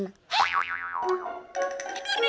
hah tidur di laut emang aku ikan apa